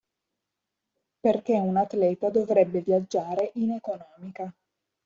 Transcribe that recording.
Perché un atleta dovrebbe viaggiare in economica.